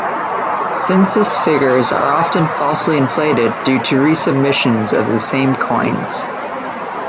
Census figures are often falsely inflated due to resubmissions of the same coins.